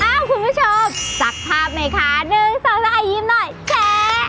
อ้าวคุณผู้ชมซักภาพไหมคะหนึ่งสองสองอ่ะยิ้มหน่อยแช่